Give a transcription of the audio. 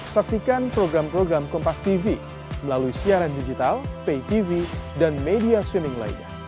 saksikan program program kompastv melalui siaran digital paytv dan media streaming lainnya